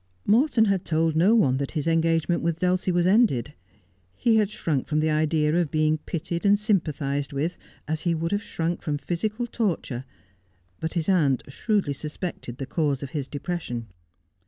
Morton had told no one that his engagement with Dulcie was ended. He had shrunk from the idea of being pitied and sympathized with, as he would have shrunk from physical torture. But his aunt shrewdly suspected the cause of his depression.